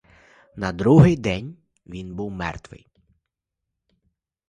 На другий день він був мертвий.